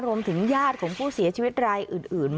ญาติของผู้เสียชีวิตรายอื่น